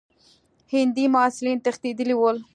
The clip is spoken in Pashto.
هندي محصلین تښتېدلي ول.